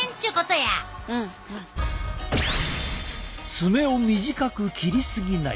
爪を短く切り過ぎない。